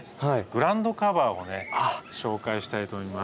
グラウンドカバーをね紹介したいと思います。